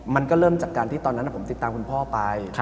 มันก็เริ่มจากการที่ตอนนั้นผมติดตามคุณพ่อไป